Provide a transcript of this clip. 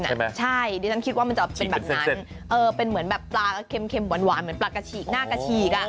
ใช่ไหมใช่ดิฉันคิดว่ามันจะเป็นแบบนั้นเออเป็นเหมือนแบบปลาเค็มหวานเหมือนปลากระฉีกหน้ากระฉีกอ่ะ